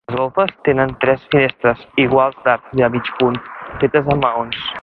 Les golfes tenen tres finestres iguals d'arc de mig punt, fetes amb maons.